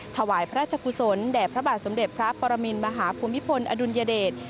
ถวายพระราชกุศลแด่พระบาทสมเด็จพระปรมินมหาภูมิพลอดุลยเดช